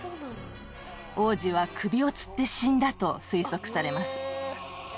王子は首を吊って死んだと推測されます。